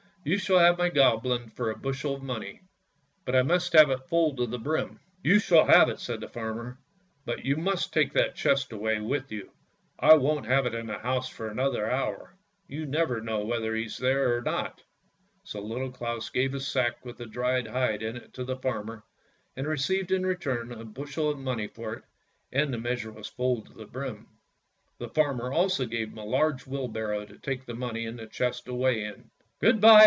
You shall have my Goblin for a bushel of money, but I must have it full to the brim! "" You shall have it," said the farmer; " but you must take that chest away with you; I won't have it in the house for another hour; you never know whether he's there or not." So Little Claus gave his sack with the dried hide in it to the farmer, and received in return a bushel of money for it and the measure was full to the brim. The farmer also gave him a large wheelbarrow to take the money and the chest away in. "Good bye!